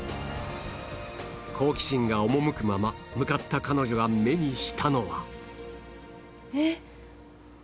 好奇心が赴くまま向かった彼女が目にしたのは